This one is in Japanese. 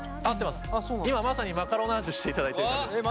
今まさにマカロナージュしていただいてる感じですね。